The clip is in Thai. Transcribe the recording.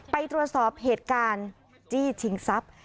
ไปตรวจสอบเหตุการณ์จี้ชิงทรัพย์